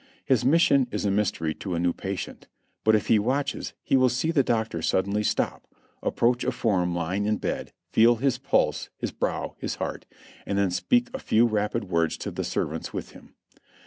His mission is a mystery to a new patient, but if he watches he will see the doctor suddenly stop, approach a form lying in bed, feel his pulse, his brow, his heart, and then speak a few rapid words to the servants with him.